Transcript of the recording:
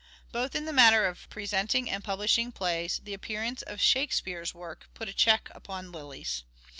Both in the matter of presenting and publishing plays, the appearance of " Shakespeare's " work put a check upon Lyly's.